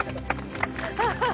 ハハハ。